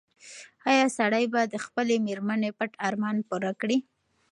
ایا سړی به د خپلې مېرمنې پټ ارمان پوره کړي؟